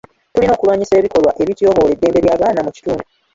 Tulina okulwanyisa ebikolwa ebityoboola eddembe ly'abaana mu kitundu.